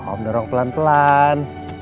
om dorong pelan pelan